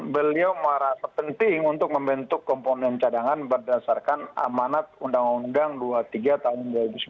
beliau merasa penting untuk membentuk komponen cadangan berdasarkan amanat undang undang dua puluh tiga tahun dua ribu sembilan belas